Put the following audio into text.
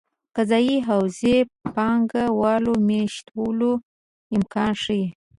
قضايي حوزې پانګه والو مېشتولو امکان ښيي.